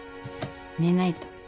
寝ないと。